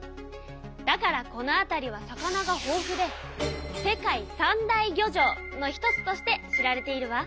だからこの辺りは魚がほうふで世界三大漁場の一つとして知られているわ。